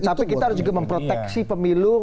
tapi kita harus juga memproteksi pemilu